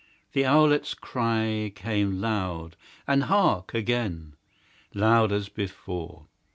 The owlet's cry Came loud and hark, again! loud as before.